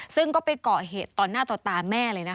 ซึ่งก็ไปเกาะเหตุตอนหน้าต่อตาแม่เลยนะคะ